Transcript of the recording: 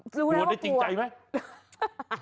กลัวได้จริงใจไหม